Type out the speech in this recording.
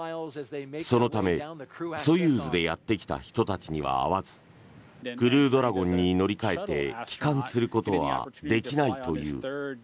そのため、ソユーズでやってきた人たちには合わずクルードラゴンに乗り換えて帰還することはできないという。